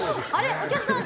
お客さん